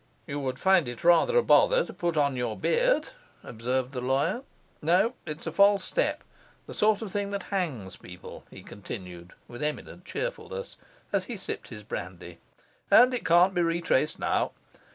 'You would find it rather a bother to put on your beard,' observed the lawyer. 'No, it's a false step; the sort of thing that hangs people,' he continued, with eminent cheerfulness, as he sipped his brandy; 'and it can't be retraced now.